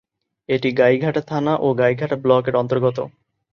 এটি গাইঘাটা থানা ও গাইঘাটা ব্লক-এর অন্তর্গত।